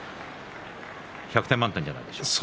１００点満点じゃないですか。